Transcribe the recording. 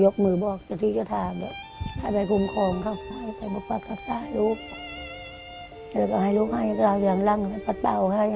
พอลูกออกจากบานใหญ่